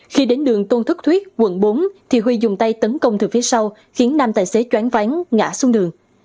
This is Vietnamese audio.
khi đến đường tôn thức thuyết quận bốn thì huy dùng tay tấn công từ phía sau khiến nam tài xế choán ván ngã xuống đường